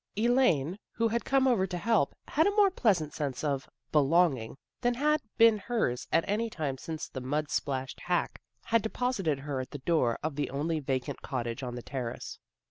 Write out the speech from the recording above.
102 THE GIRLS OF FRIENDLY TERRACE Elaine, who had come over to help, had a more pleasant sense of " belonging " than had been hers at any time since the mud splashed hack had deposited her at the door of the only vacant cottage on the Terrace.